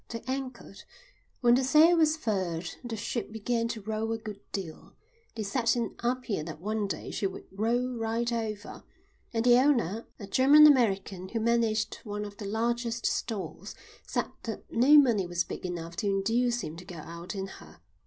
They anchored. When the sail was furled the ship began to roll a good deal. They said in Apia that one day she would roll right over; and the owner, a German American who managed one of the largest stores, said that no money was big enough to induce him to go out in her.